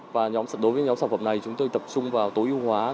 và đối với nhóm sản phẩm này chúng tôi tập trung vào tối ưu hóa